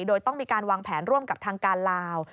โดยต้องมีการวางแผนร่วมกับทางการลาว